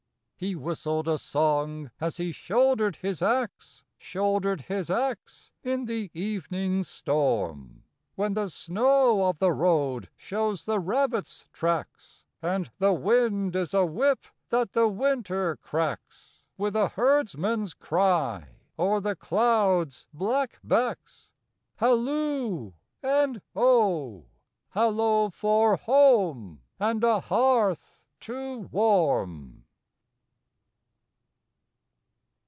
IV. He whistled a song as he shouldered his axe, Shouldered his axe in the evening storm: "When the snow of the road shows the rabbit's tracks, And the wind is a whip that the Winter cracks, With a herdsman's cry, o'er the clouds' black backs, Halloo and oh! Hallo for home and a hearth to warm!"